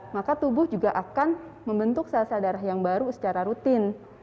maka tubuh juga akan membentuk sel sel darah yang baru secara rutin